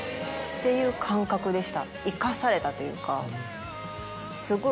っていう感覚でした生かされたというか。